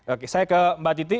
oke saya ke mbak titi